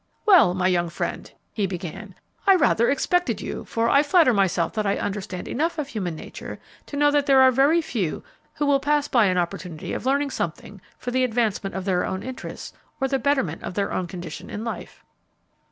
"Well, my young friend," he began, "I rather expected you, for I flatter myself that I understand enough of human nature to know that there are very few who will pass by an opportunity of learning something for the advancement of their own interests or the betterment of their own condition in life."